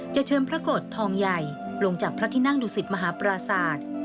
เชิญพระโกรธทองใหญ่ลงจากพระที่นั่งดุสิตมหาปราศาสตร์